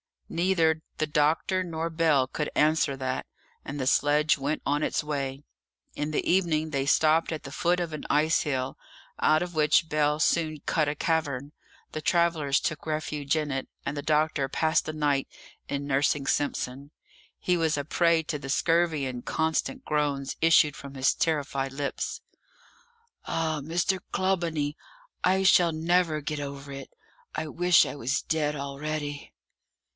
Neither the doctor nor Bell could answer that, and the sledge went on its way. In the evening they stopped at the foot of an ice hill, out of which Bell soon cut a cavern; the travellers took refuge in it, and the doctor passed the night in nursing Simpson; he was a prey to the scurvy, and constant groans issued from his terrified lips. "Ah, Mr. Clawbonny, I shall never get over it. I wish I was dead already."